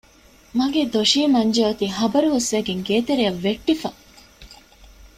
މަގޭ ދޮށީ މަންޖެ އޮތީ ޚަބަރު ހުސްވެގެން ގޭތެރެއަށް ވެއްޓިފަ